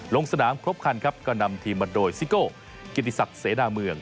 ลงสนามครบคันครับก็นำทีมมาโดยซิโก้กิติศักดิ์เสนาเมือง